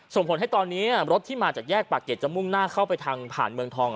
ส่งผลให้ตอนนี้รถที่มาจากแยกปากเกร็ดจะมุ่งหน้าเข้าไปทางผ่านเมืองทอง